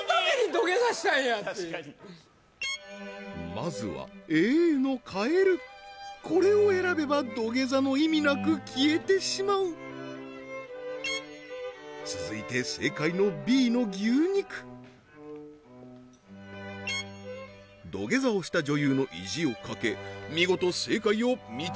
まずはＡのカエルこれを選べば土下座も意味なく消えてしまう続いて正解のＢの牛肉土下座をした女優の意地を懸け見事正解を導き出せるのか？